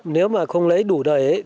nếu mà không lấy đủ đầy ấy thì